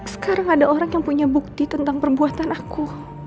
sekarang ada orang yang punya bukti tentang perbuatan aku